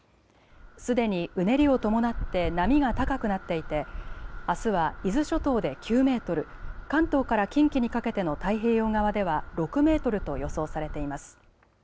すでにうねりを伴って波が高くなっていてあすは伊豆諸島で９メートル、関東から近畿にかけての太平洋側では６メートルと予想されています。